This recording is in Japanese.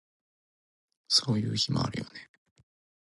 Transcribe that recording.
そういう日もあるよね